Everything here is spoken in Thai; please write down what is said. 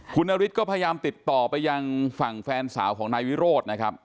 คุณนฤทธิ์ก็พยายามติดต่อไปยังฝั่งแฟนสาวของนายวิโรธนะครับ